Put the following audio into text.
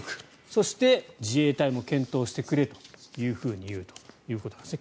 そして、自衛隊も検討してくれというふうに言うということなんですね。